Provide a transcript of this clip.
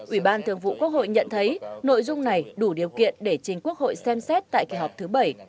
ủy ban thường vụ quốc hội nhận thấy nội dung này đủ điều kiện để chính quốc hội xem xét tại kỳ họp thứ bảy